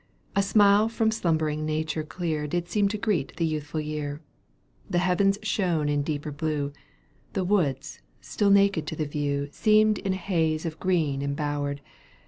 A smile from slumbering nature clear Did seem to greet the youthful year ; The heavens shone in deeper blue. The woods, still naked to the view. Seemed in a haze of green embowered.